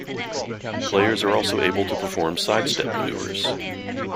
Players are also able to perform sidestep maneuvers.